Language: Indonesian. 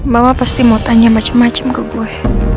mama pasti mau tanya macem macem ke gue